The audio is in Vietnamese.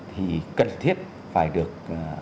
thì cần thiết phải được